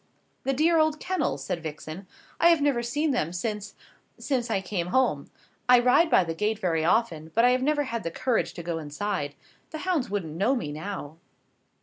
"The dear old kennels!" said Vixen, "I have never seen them since since I came home. I ride by the gate very often, but I have never had the courage to go inside. The hounds wouldn't know me now."